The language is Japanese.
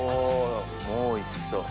もうおいしそう。